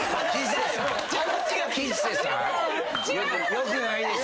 よくないですよ。